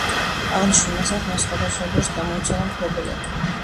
აღნიშნულმა სახლმა სხვადასხვა დროს გამოიცვალა მფლობელები.